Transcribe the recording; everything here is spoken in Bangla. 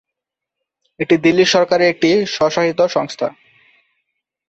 এটি দিল্লি সরকারের একটি স্বশাসিত সংস্থা।